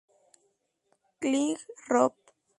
Kling, Rob.